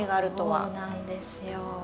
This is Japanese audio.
そうなんですよ。